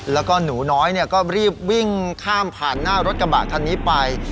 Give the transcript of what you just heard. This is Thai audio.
แล้วก็หนูน้อยก็รีบวิ่งข้ามผ่านหน้ารถกระบะคันนี้ไป